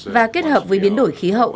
và kết hợp với biến đổi khí hậu